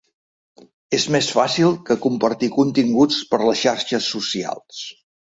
És més fàcil que compartir continguts per les xarxes socials.